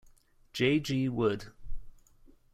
J. G. Wood.